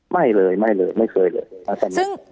ไม่เลยไม่เคยเลย